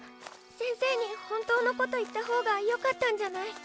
先生に本当のこと言った方がよかったんじゃない？